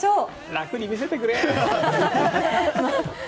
楽に見せてくれ！